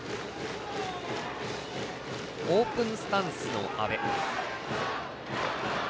オープンスタンスの阿部。